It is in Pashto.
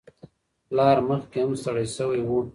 پلار مخکې هم ستړی شوی و.